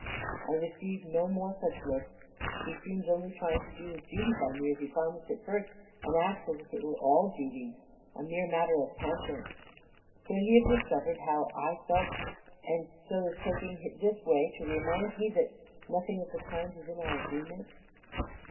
I receive no more such looks; he seems only trying to do his duty by me as he promised at first, and acts as if it were all duty, a mere matter of conscience. Could he have discovered how I felt, and so is taking this way to remind me that nothing of the kind was in our agreement?